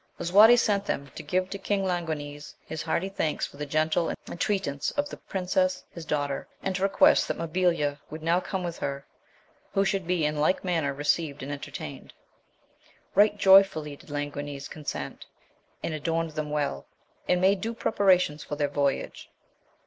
Lisuarte sent them to give to King Languines his hearty thanks for the gentle entreatance of the princess his daughter, and to request that Mabilia would now come with her, who should be in like manner received and entertained. Right joyfully did Languines con sent, and adorned them well, and made due prepara tions for their voyage.